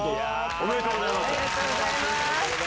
おめでとうございます。